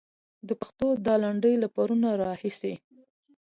د پښتو دا لنډۍ له پرونه راهيسې.